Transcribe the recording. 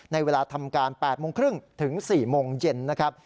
ในเวลาทำการ๘โมงครึ่งถึง๔โมงเย็นนะครับ